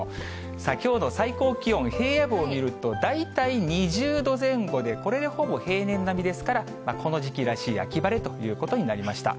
さあ、きょうの最高気温、平野部を見ると大体２０度前後で、これでほぼ平年並みですから、この時期らしい秋晴れということになりました。